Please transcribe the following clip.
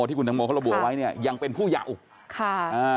ที่คุณจังโมพรบัวไว้ยังเป็นผู้เยา